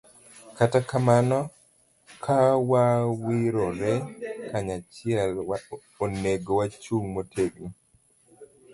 Kata kamano, ka wariwore kanyachiel, onego wachung ' motegno